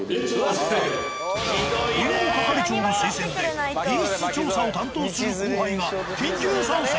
りんご係長の推薦で品質調査を担当する後輩が緊急参戦。